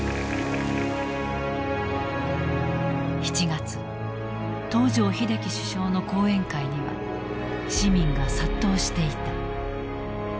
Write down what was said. ７月東條英機首相の講演会には市民が殺到していた。